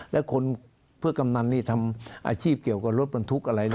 แล้วคนเพื่อกำนันนี่ทำอาชีพเกี่ยวกับรถบรรทุกอะไร